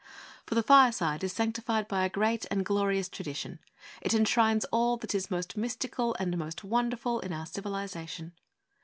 For the fireside is sanctified by a great and glorious tradition. It enshrines all that is most mystical and most wonderful in our civilization.